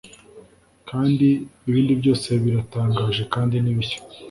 kandi ibintu byose biratangaje kandi ni bishya